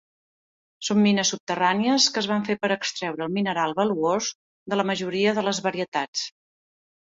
Són mines subterrànies que es van fer per extreure el mineral valuós de la majora de les varietats.